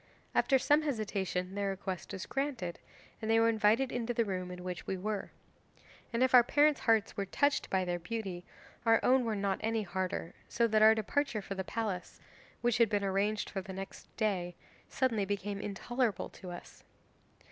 After some hesitation their request was granted, and they were invited into the room in which we were. And if our parents' hearts were touched by their beauty, our own were not any harder, so that our departure for the palace, which had been arranged for the next day, suddenly became intolerable to us.